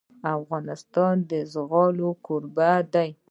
افغانستان د زغال کوربه دی.